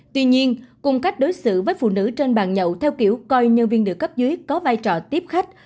tuy nhiên cùng cách đối xử với phụ nữ trên bàn nhậu theo kiểu coi nhân viên nữ cấp dưới có vai trò tiếp khách